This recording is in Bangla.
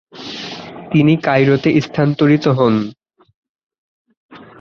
তিনি কায়রোতে স্থানান্তরিত হন।